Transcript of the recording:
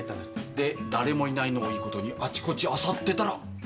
で誰もいないのをいい事にあちこち漁ってたら。